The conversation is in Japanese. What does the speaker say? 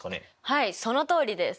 はいそのとおりです。